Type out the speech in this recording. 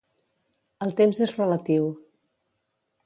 El temps és relatiu